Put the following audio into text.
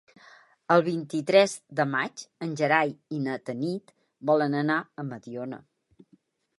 El vint-i-tres de maig en Gerai i na Tanit volen anar a Mediona.